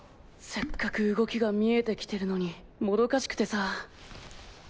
せっかく動きが見えてきてるのにもどかしくてさ。